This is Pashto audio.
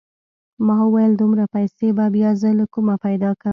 ما وويل دومره پيسې به بيا زه له کومه پيدا کم.